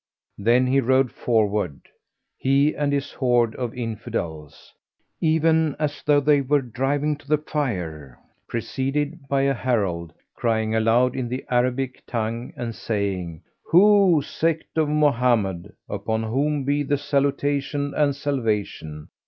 Then he rode forward, he and his horde of Infidels, even as though they were driving to the Fire, preceded by a herald, crying aloud in the Arabic tongue and saying, "Ho, sect of Mohammed (upon whom be salutation and salvation!)